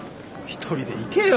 一人で行けよ！